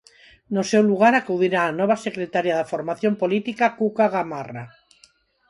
No seu lugar acudirá a nova secretaria da formación política, Cuca Gamarra.